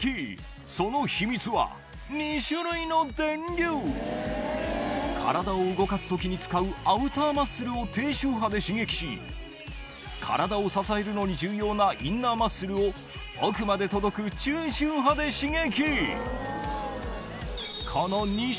その秘密は体を動かす時に使うアウターマッスルを低周波で刺激し体を支えるのに重要なインナーマッスルを奥まで届く中周波で刺激